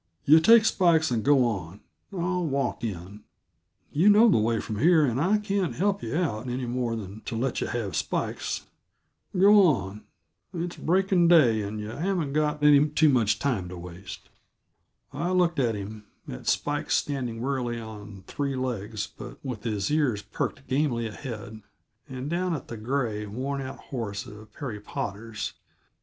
Yuh take Spikes and go on; I'll walk in. Yuh know the way from here, and I can't help yuh out any more than to let yuh have Spikes. Go on it's breaking day, and yuh haven't got any too much time to waste." I looked at him, at Spikes standing wearily on three legs but with his ears perked gamily ahead, and down at the gray, worn out horse of Perry Potter's.